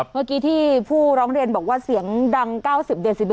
เมื่อกี้ที่ผู้ร้องเรียนบอกว่าเสียงดัง๙๐เดือน๑๑